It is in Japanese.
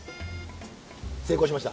成功しました？